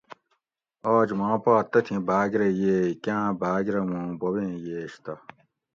آج ماں پا تتھیں بھاۤگ رہ ییگ کاۤں بھاۤگ رہ مون بوبیں ییش تہ